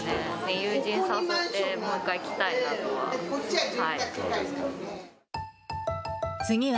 友人誘って、もう一回来たいなとは。